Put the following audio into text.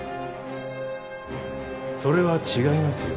それは違いますよ。